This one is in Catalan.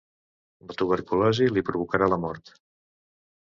La tuberculosi li provocarà la mort.